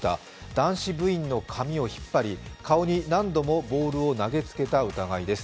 男子部員の髪を引っ張り、顔に何度もボールを投げつけた疑いです。